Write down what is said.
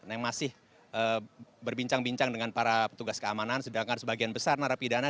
yang masih berbincang bincang dengan para petugas keamanan sedangkan sebagian besar narapidana